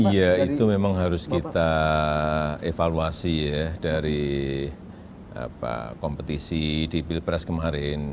iya itu memang harus kita evaluasi ya dari kompetisi di pilpres kemarin